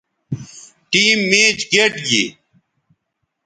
ٹیم میچ گئٹ گی